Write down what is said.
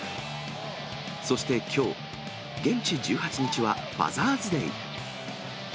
そしてきょう、現地１８日はファザーズデー。